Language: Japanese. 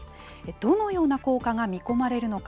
どのような効果が見込まれるのか。